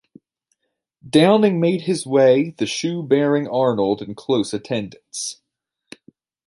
Downing made his way, the shoe-bearing Arnold in close attendance.